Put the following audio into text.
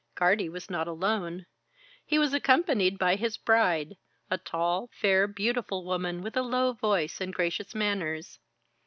Guardie was not alone. He was accompanied by his bride a tall, fair, beautiful woman with a low voice and gracious manners.